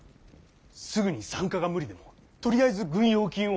すぐに参加が無理でもとりあえず軍用金を。